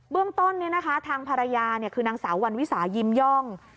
เรื่องต้นทางภรรยาคือนางสาววันวิสายิ้มย่อง